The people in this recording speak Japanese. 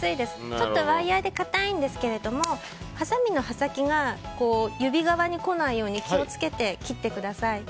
ちょっとワイヤで硬いんですけれどもはさみの刃先が指側に来ないように気を付けて切ってください。